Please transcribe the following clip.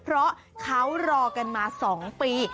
เพราะเขารอกันมา๒ปี